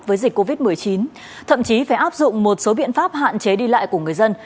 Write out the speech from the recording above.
với dịch covid một mươi chín thậm chí phải áp dụng một số biện pháp hạn chế đi lại của người dân